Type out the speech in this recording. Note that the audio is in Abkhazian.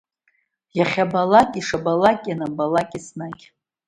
Иахьабалак, ишабалак, ианабалак, еснагь.